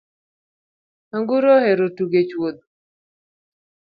Anguro ohero tugo e chuodho .